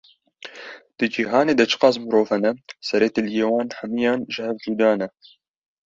Di cîhanê de çiqas mirov hene, serê tiliyên wan hemiyan ji hev cuda ne!